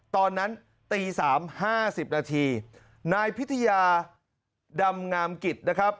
ตอนนั้นตี๓๕๐นาทีนายพิธิาดำงามกิจนะครับ